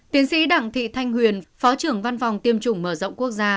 tiến sĩ đặng thị thanh huyền phó trưởng văn phòng tiêm chủng mở rộng quốc gia